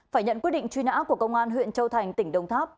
phải nhận quyết định truy nã của công an huyện châu thành tỉnh đồng tháp